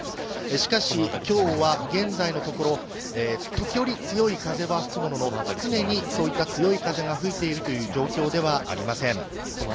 しかし今日は、現在のところ時折強い風は吹くものの常にそういった強い風が吹いているという状況ではありません。